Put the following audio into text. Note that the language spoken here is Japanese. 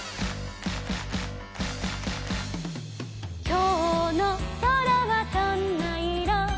「きょうのそらはどんないろ？」